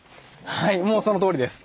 はいもうそのとおりです。